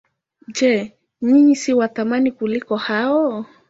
Je, ninyi si wa thamani kuliko hao?